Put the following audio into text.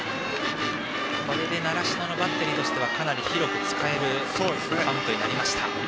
これで習志野のバッテリーとしてはかなり広く使えるカウントになりました。